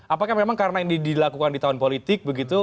apakah memang karena ini dilakukan di tahun politik begitu